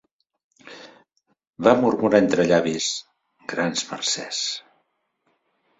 Va murmurar entre llavis: -Grans mercès.